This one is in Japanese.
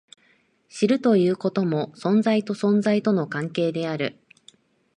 知るということも、存在と存在との関係である。